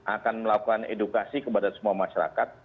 akan melakukan edukasi kepada semua masyarakat